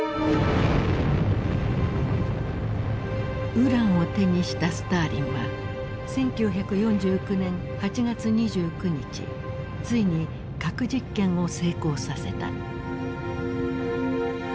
ウランを手にしたスターリンは１９４９年８月２９日ついに核実験を成功させた。